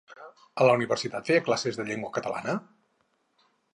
A la Universitat feia classes de llengua catalana?